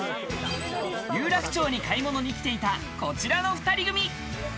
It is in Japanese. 有楽町に買い物に来ていた、こちらの２人組。